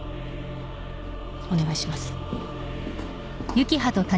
お願いします。